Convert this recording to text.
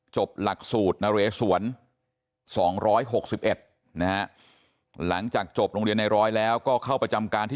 จบหลักสูตรนเรสวน๒๖๑นะฮะหลังจากจบโรงเรียนในร้อยแล้วก็เข้าประจำการที่